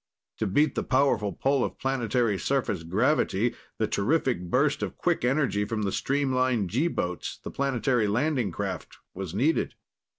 To beat the powerful pull of planetary surface gravity, the terrific burst of quick energy from the streamlined G boats, the planetary landing craft, was needed.